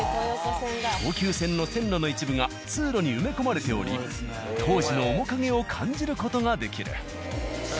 東急線の線路の一部が通路に埋め込まれており当時の面影を感じる事ができる。